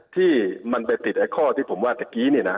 ที่มันไปติดไอ้ข้อที่ผมว่าตะกี้เนี่ยนะ